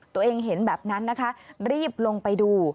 ตัวเองเห็นแบบนั้นนะคะรีบลงไปดู